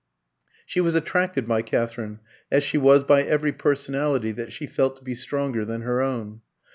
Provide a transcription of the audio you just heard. She was attracted by Katherine, as she was by every personality that she felt to be stronger than her own.